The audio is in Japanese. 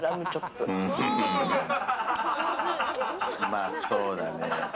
まあそうだね。